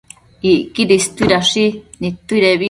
Icquidi istuidashi nidtuidebi